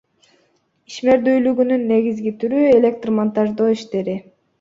Ишмердүүлүгүнүн негизги түрү — электр монтаждоо иштери.